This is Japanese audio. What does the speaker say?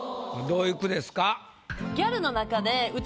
どういう句ですか？